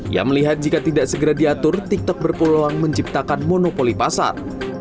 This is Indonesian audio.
ia melihat jika tidak segera diatur tiktok berpeluang menciptakan monopoli pasar